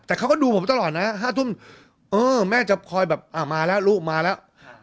แต่เขาก็ดูผมตลอดนะ๕ทุ่มเออแม่จะคอยแบบอ่ามาแล้วลูกมาแล้ว